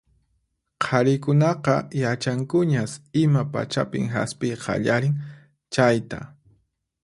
Qharikunaqa yachankuñas ima pachapin hasp'iy qallarin chayta.